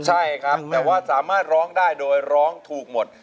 ใช่ครับแต่ว่าสามารถร้องได้โดยร้องถูกหมด